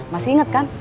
masih inget kan